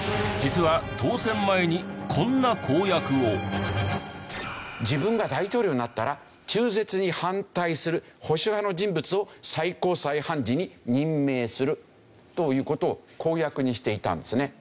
実は自分が大統領になったら中絶に反対する保守派の人物を最高裁判事に任命するという事を公約にしていたんですね。